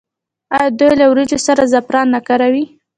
آیا دوی له وریجو سره زعفران نه کاروي؟